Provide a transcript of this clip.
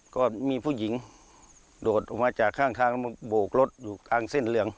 ก็มีผู้หญิงโดดออกมาจากข้างทางแล้วมาโบกรถอยู่กลางเส้นเหลือง